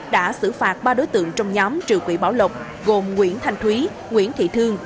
đã xử phạt ba đối tượng trong nhóm trưởng quỹ bảo lộc gồm nguyễn thanh thúy nguyễn thị thương